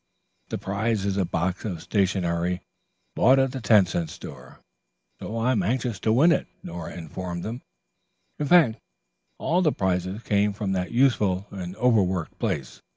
"The prize is a box of stationery bought at the ten cent store, so I am anxious to win it," Nora informed them. "In fact, all the prizes came from that useful and overworked place.